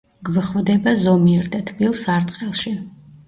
გვხვდება ზომიერ და თბილ სარტყელში.